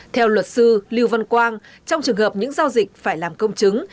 theo luật sư lưu văn quang trong trường hợp những giao dịch phải làm công chứng